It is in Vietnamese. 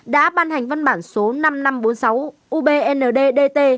đã ban hành văn bản số năm nghìn năm trăm bốn mươi sáu ubnd dt